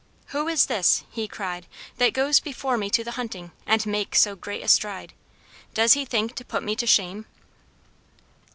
"Who is this," he cried, "that goes before me to the hunting, and makes so great a stride? Does he think to put me to shame?"